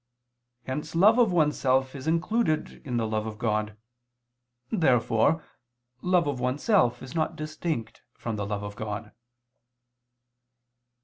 Hence love of oneself is included in the love of God. Therefore love of oneself is not distinct from the love of God.